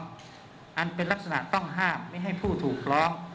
อันเป็นลักษณะต้องห้ามไม่ให้ผู้ถูกร้อง